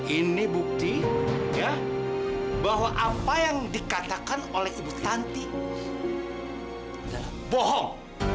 ini bukti ya bahwa apa yang dikatakan oleh ibu tanti bohong